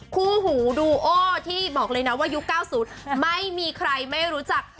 คู่หูดูโอที่บอกเลยนะว่ายุค๙๐ไม่มีใครไม่รู้จัก